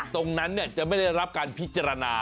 ตรงนั้นจะไม่ได้รับการพิจารณา